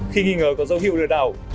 khi nghi ngờ có dấu hiệu lừa đảo